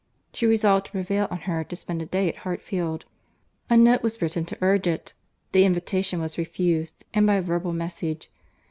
She resolved to prevail on her to spend a day at Hartfield. A note was written to urge it. The invitation was refused, and by a verbal message.